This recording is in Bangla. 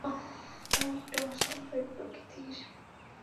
ও একটু অস্বাভাবিক প্রকৃতির।